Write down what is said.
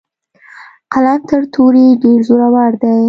قلم تر تورې ډیر زورور دی.